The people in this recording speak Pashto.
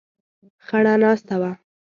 خړه ناسته وه.